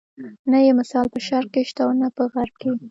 نه یې مثال په شرق کې شته او نه په غرب کې.